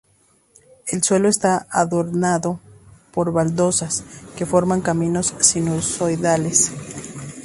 El suelo está adornado por baldosas que forman caminos sinusoidales.